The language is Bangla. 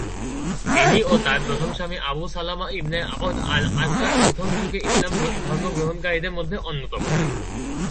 তিনি ও তার প্রথম স্বামী আবু সালামা ইবনে আবদ-আল আসাদ প্রথম যুগে ইসলাম ধর্ম গ্রহণকারীদের মধ্যে অন্যতম।